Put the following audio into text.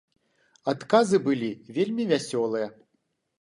Адказы былі вельмі вясёлыя.